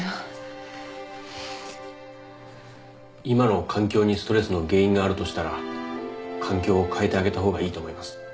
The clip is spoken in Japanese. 今の環境にストレスの原因があるとしたら環境を変えてあげた方がいいと思います。